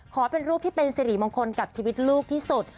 ขอเป็นรูปที่เป็นสิริมงคลกับชีวิตลูกที่สุด